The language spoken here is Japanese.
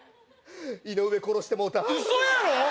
井上殺してもうたウソやろ？